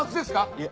いえ。